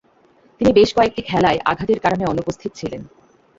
তিনি বেশ কয়েকটি খেলায় আঘাতের কারণে অনুপস্থিত ছিলেন।